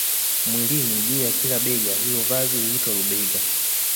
mwilini juu ya kila bega hilo vazi huitwa lubega